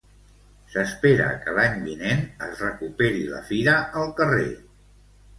S'espera que l'any vinent es recuperi la fira al carrer.